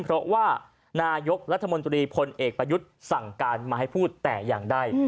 เพราะว่านายกรัฐมนตรีพลเอกประยุทธ์สั่งการมาให้พูดแต่อย่างใด